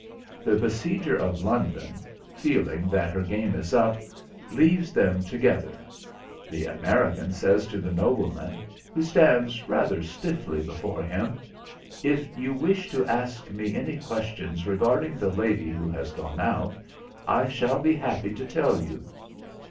The besieger of London, feeling that her game is up, leaves them together. The American says to the nobleman, who stands rather stiffly before him, 'If you wish to ask me any questions regarding the lady who has gone out I shall be happy to tell you.